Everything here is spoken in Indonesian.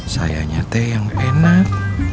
sayangnya teh yang enak